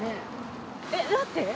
えっ待って！